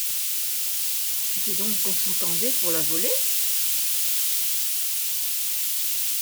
C’était donc qu’on s’entendait pour la voler?